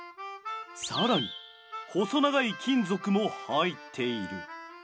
更に細長い金属も入っている。